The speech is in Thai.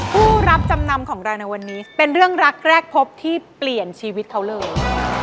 ผู้รับจำนำของเราในวันนี้เป็นเรื่องรักแรกพบที่เปลี่ยนชีวิตเขาเลย